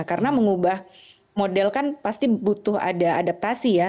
karena mengubah model kan pasti butuh ada adaptasi ya